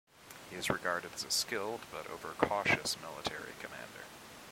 He is regarded as a skilled but overcautious military commander.